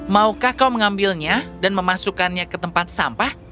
maukah kau mengambilnya dan memasukkannya ke tempat sampah